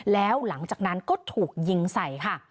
แล้วหลังจากนั้นก็ถูกยิงใส่ค่ะ